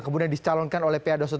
kemudian dicalonkan oleh pa dua ratus dua